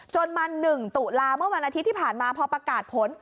จนมา๑ตุลาเมื่อวันอาทิตย์ที่ผ่านมาพอประกาศผล